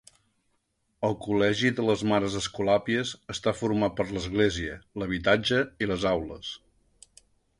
El Col·legi de les Mares Escolàpies està format per l'església, l'habitatge i les aules.